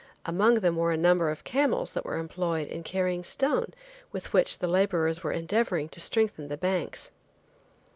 Among them were a number of camels that were employed in carrying stone with which the laborers were endeavoring to strengthen the banks.